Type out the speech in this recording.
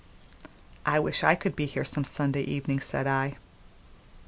"I wish I could be here some Sunday evening," said I.